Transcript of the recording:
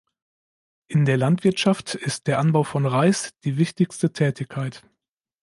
In der Landwirtschaft ist der Anbau von Reis die wichtigste Tätigkeit.